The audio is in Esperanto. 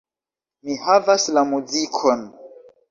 Mi havas la muzikon.